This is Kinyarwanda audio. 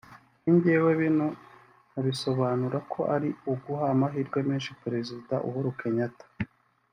kuri njyewe bino nkabisobanura ko ari uguha amahirwe menshi Perezida Uhuru Kenyatta